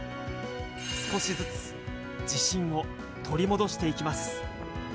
少しずつ、自信を取り戻していきます。